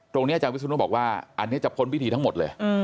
ตรงนี้อาจารย์วิทย์ศูนย์บอกว่าอันนี้จะพ้นพิธีทั้งหมดเลย